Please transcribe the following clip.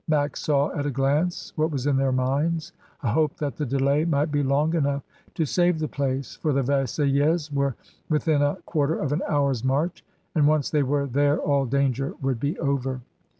Max saw at a glance what was in their minds, a hope that the delay might be long enough to save the place, for the Versaillais were within a quarter of an hour's march, and once they were there all danger would be over.